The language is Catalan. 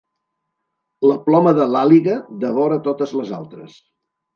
La ploma de l'àliga devora totes les altres.